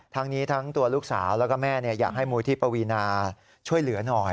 ทั้งนี้ทั้งตัวลูกสาวแล้วก็แม่อยากให้มูลที่ปวีนาช่วยเหลือหน่อย